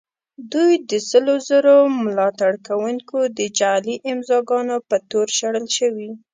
دوی د سلو زرو ملاتړ کوونکو د جعلي امضاء ګانو په تور شړل شوي.